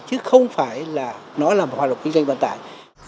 chứ không phải là nó là một hoạt động kinh doanh vận tải